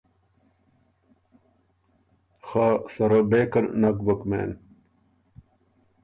خه سَرَه بېکن نک بُک مېن۔